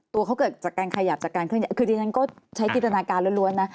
ตัวเขาเกิดจากการขยับจากการเคลื่อนคือดิฉันก็ใช้จินตนาการล้วนนะ